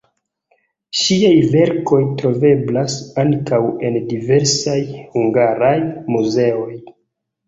Ŝiaj verkoj troveblas ankaŭ en diversaj hungaraj muzeoj.